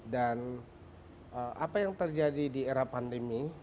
dan apa yang terjadi di era pandemi